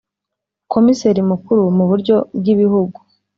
Komiseri Mukuru mu buryo bw ibihugu